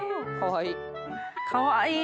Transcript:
かわいい。